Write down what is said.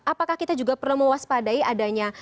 apakah kita juga perlu mewaspadai adanya